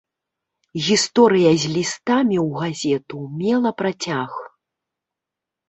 Гісторыя з лістамі ў газету мела працяг.